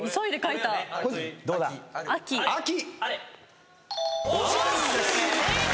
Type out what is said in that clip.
『秋』正解。